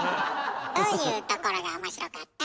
どういうところが面白かった？